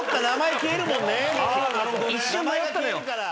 一瞬迷ったのよ。